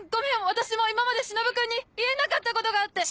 私も今までしのぶくんに言えなかったことがあって。